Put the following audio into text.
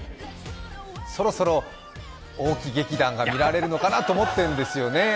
そろそろ大木劇団が見られるのかなと思ってるんですよね。